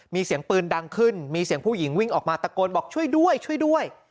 มีเสียงปืนดังขึ้นมีเสียงผู้หญิงวิ่งออกมาตะโกนบอกช่วยด้วยช่วยด้วย